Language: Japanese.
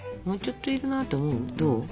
もうちょっといるなと思う？